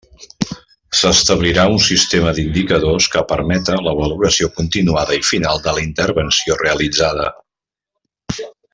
S'establirà un sistema d'indicadors que permeta la valoració continuada i final de la intervenció realitzada.